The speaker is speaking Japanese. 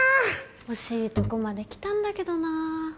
惜しいとこまで来たんだけどな